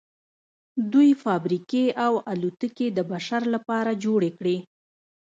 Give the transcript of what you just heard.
دوی فابریکې او الوتکې د بشر لپاره جوړې کړې